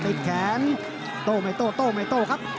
แขนโต้ไม่โต้โต้ไม่โต้ครับ